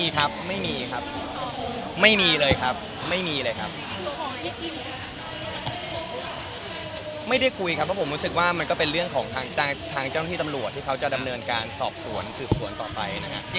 ทางเจ้าหน้าที่ตำรวจที่เขาจะดำเนินการสอบสวนสืบสวนต่อไปนะครับ